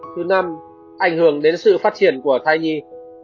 thứ năm ảnh hưởng đến sự phát triển của thai nhi